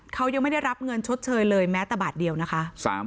เขายังไม่ได้รับเงินชดเชยเลยแม้แต่บาทเดียวนะคะ